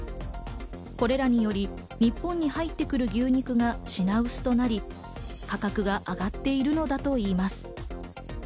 これらにより日本に入ってくる牛肉が品薄となり、価格が上がっているのだといいます。